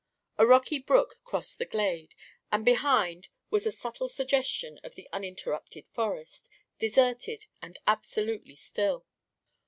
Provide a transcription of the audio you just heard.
A rocky brook crossed the glade, and behind was a subtle suggestion of the uninterrupted forest, deserted and absolutely still.